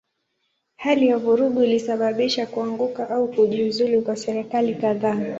Hali ya vurugu ilisababisha kuanguka au kujiuzulu kwa serikali kadhaa.